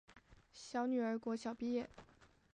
小女儿国小毕业